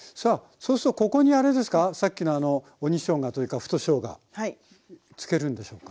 そうするとここにあれですかさっきのあの鬼しょうがというか太しょうがつけるんでしょうか？